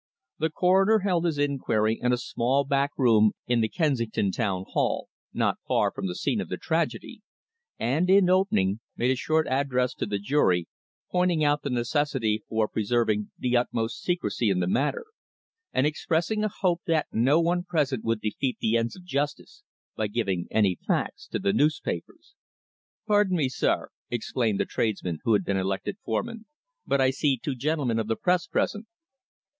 The Coroner held his inquiry in a small back room in the Kensington Town Hall, not far from the scene of the tragedy, and, in opening, made a short address to the jury, pointing out the necessity for preserving the utmost secrecy in the matter, and expressing a hope that no one present would defeat the ends of justice by giving any facts to the newspapers. "Pardon me, sir," exclaimed the tradesman who had been elected foreman, "but I see two gentlemen of the Press present."